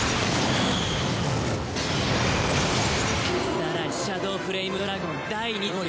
更にシャドウ・フレイムドラゴン第２の能力。